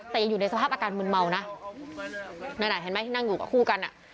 แต่ยังอยู่ในสภาพอาการมืนเมานะนั่นอ่ะเห็นไหมที่นั่งอยู่กับคู่กันอ่ะ